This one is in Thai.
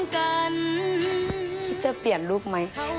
คิดจะเปลี่ยนลูกไหม